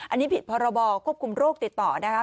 อันนี้ผิดพรบควบคุมโรคติดต่อนะคะ